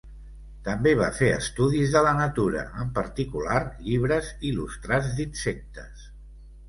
També va fer estudis de la natura, en particular llibres il·lustrats d'insectes.